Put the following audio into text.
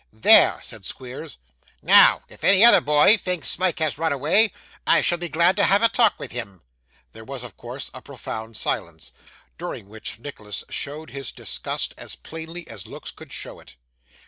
'There,' said Squeers. 'Now if any other boy thinks Smike has run away, I shall be glad to have a talk with him.' There was, of course, a profound silence, during which Nicholas showed his disgust as plainly as looks could show it.